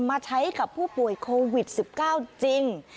มาใช้กับผู้ป่วยโควิด๑๙จริง